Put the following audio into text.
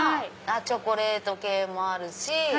チョコレート系もあるし。